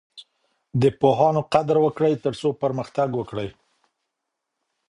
د پوهانو قدر وکړئ ترڅو پرمختګ وکړئ.